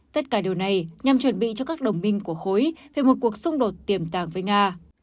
tất cả điều này nhằm chuẩn bị cho các đồng minh của khối về một cuộc xung đột tiềm tàng với nga